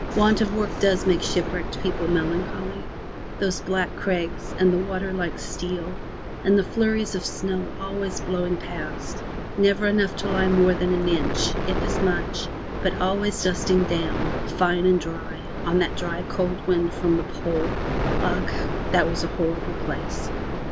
Want of work does make shipwrecked people melancholy. Those black crags, and the water like steel, and the flurries of snow always blowing past — never enough to lie more than an inch, if as much, but always dusting down, fine and dry, on that dry cold wind from the Pole. Ugh! that was a horrid place!